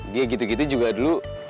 dia gitu gitu juga dulu